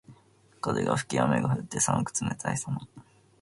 風が吹き雨が降って、寒く冷たいさま。